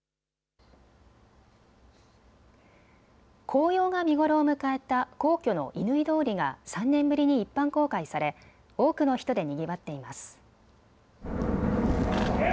紅葉が見頃を迎えた皇居の乾通りが３年ぶりに一般公開され多くの人でにぎわっています。